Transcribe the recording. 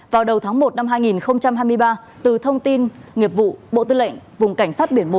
vào đầu tháng một năm hai nghìn hai mươi ba từ thông tin nghiệp vụ bộ tư lệnh vùng cảnh sát biển một